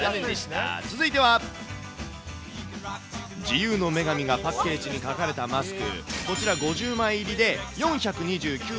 続いては、自由の女神がパッケージに描かれたマスク、こちら５０枚入りで４２９円。